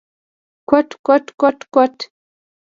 _کوټ، کوټ ، کوټ…